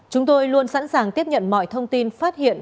chúng tôi luôn sẵn sàng tiếp nhận mọi thông tin phát hiện